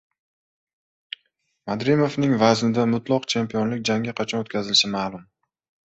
Madrimovning vaznida mutlaq chempionlik jangi qachon o‘tkazilishi ma’lum